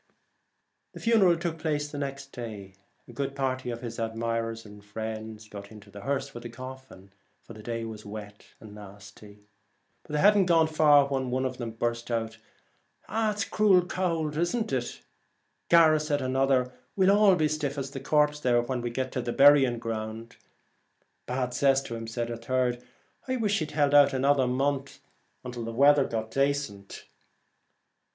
The funeral took place the next The Last day. A good party of his admirers and friends got into the hearse with the coffin, for the day was wet and nasty. They had not gone far when one of them burst out with ' It's cruel cowld, isn't it ?'' Garra',' replied another, ' we'll all be as stiff as the corpse when we get to the berrin ground.' 'Bad cess to him,' said a third; 'I wish he'd held out another month until the weather got dacent.'